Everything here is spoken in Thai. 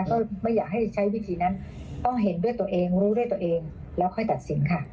ก็ไม่อยากให้ใช้วิธีนั้นต้องเห็นด้วยตัวเองรู้ด้วยตัวเองแล้วค่อยตัดสินค่ะ